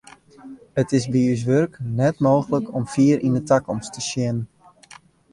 It is by ús wurk net mooglik om fier yn de takomst te sjen.